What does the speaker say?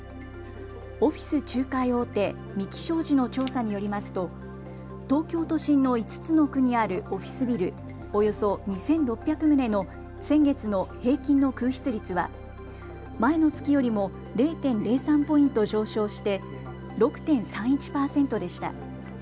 オフィス仲介大手、三鬼商事の調査によりますと東京都心の５つの区にあるオフィスビル、およそ２６００棟の先月の平均の空室率は前の月よりも０．０３ポイント上昇して６．３１％でした。